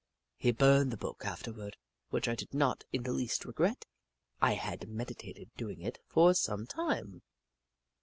He burned the book afterward, which I did not in the least regret — I had medi tated doinor it for some time.